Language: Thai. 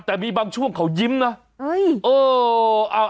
แต่มีบางช่วงเขายิ้มนะ